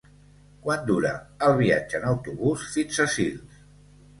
Quant dura el viatge en autobús fins a Sils?